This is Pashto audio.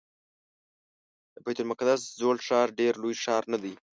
د بیت المقدس زوړ ښار ډېر لوی ښار نه دی.